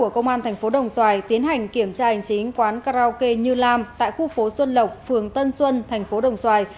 công an tp đồng xoài tiến hành kiểm tra hành trí quán karaoke như lam tại khu phố xuân lộc phường tân xuân tp đồng xoài